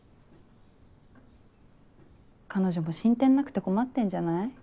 彼女も進展なくて困ってんじゃない？